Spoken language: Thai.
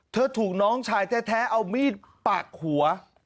ถูกน้องชายแท้เอามีดปาดหัว